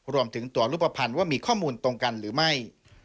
รวมถึงตัวรูปภัณฑ์ว่ามีข้อมูลตรงกันหรือไม่